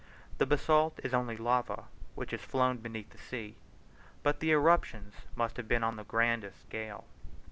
The basalt is only lava, which has flowed beneath the sea; but the eruptions must have been on the grandest scale.